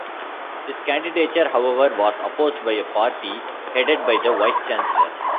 His candidature, however, was opposed by a party headed by the vice-chancellor.